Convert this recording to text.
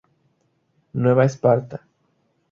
Nueva Esparta.